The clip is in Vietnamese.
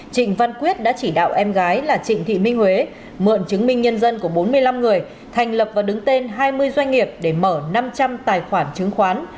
trịnh văn quyết đã chỉ đạo em gái là trịnh thị minh huế mượn chứng minh nhân dân của bốn mươi năm người thành lập và đứng tên hai mươi doanh nghiệp để mở năm trăm linh tài khoản chứng khoán